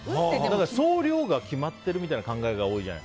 総量が決まってるみたいな考えが多いじゃない？